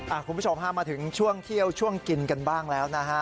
คุณผู้ชมฮะมาถึงช่วงเที่ยวช่วงกินกันบ้างแล้วนะฮะ